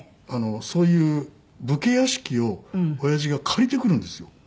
そういう武家屋敷を親父が借りてくるんですよ